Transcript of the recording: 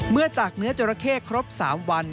จากเนื้อจราเข้ครบ๓วัน